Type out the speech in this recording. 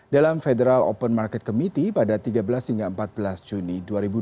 dalam federal open market committee pada tiga belas hingga empat belas juni dua ribu dua puluh